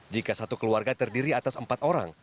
jika satu keluarga terdiri atas empat orang